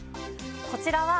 こちらは。